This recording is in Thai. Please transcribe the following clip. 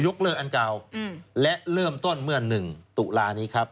เลิกอันเก่าและเริ่มต้นเมื่อ๑ตุลานี้ครับ